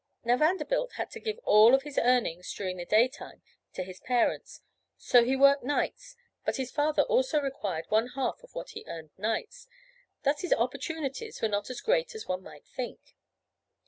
Now Vanderbilt had to give all of his earnings during the day time to his parents, so he worked nights, but his father also required one half of what he earned nights, thus his opportunities were not as great as one might think.